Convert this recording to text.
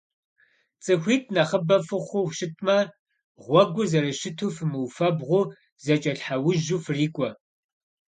Цӏыхуитӏ нэхъыбэ фыхъуу щытмэ, гъуэгур зэрыщыту фымыуфэбгъуу, зэкӏэлъхьэужьу фрикӏуэ.